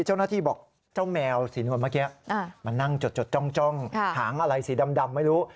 เจ้าหน้าที่บอกเจ้าแมวสีนวลเมื่อกี้มานั่งจดจ้องหางอะไรสีดำไม่รู้